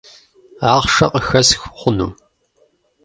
Ахъшэ къыхэсх хъуну?